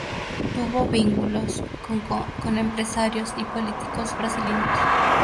Tuvo vínculos con empresarios y políticos brasileños.